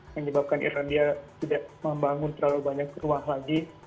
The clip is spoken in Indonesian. menyebabkan irlandia tidak membangun terlalu banyak ruang lagi